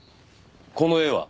この絵は？